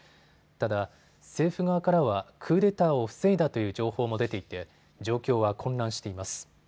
ただ、政府側からはクーデターを防いだという情報も出ていて状況は混乱しています。